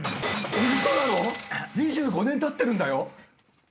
ウソだろ？２５年たってるんだよ。